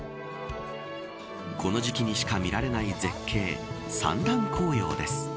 この時期にしか見られない絶景、三段紅葉です。